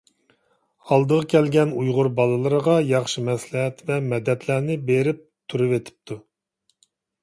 ئالدىغا كەلگەن ئۇيغۇر بالىلىرىغا ياخشى مەسلىھەت ۋە مەدەتلەرنى بېرىپ تۇرۇۋېتىپتۇ.